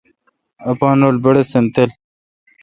اپان رل بّڑّستن تھل۔